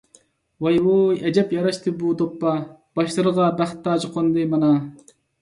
ۋاي - ۋۇي، ئەجەب ياراشتى بۇ دوپپا، باشلىرىغا بەخت تاجى قوندى مانا!